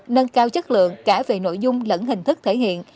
nâng cao chất lượng cả về nội dung lẫn hình thức thể hiện